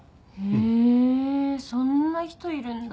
へえそんな人いるんだ。